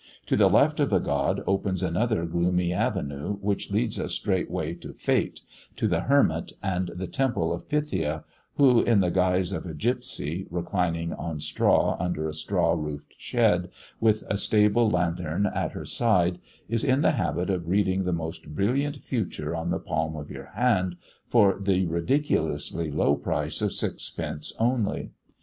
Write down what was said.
To the left of the god opens another gloomy avenue, which leads us straightway to Fate, to the hermit, and the temple of Pythia, who, in the guise of a gipsy, reclining on straw under a straw roofed shed, with a stable lanthorn at her side, is in the habit of reading the most brilliant Future on the palm of your hand, for the ridiculously low price of sixpence only.